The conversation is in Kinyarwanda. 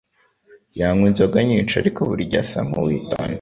Yanywa inzoga nyinshi ariko burigihe asa nkuwitonda.